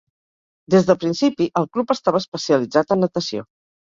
Des del principi el club estava especialitzat en natació.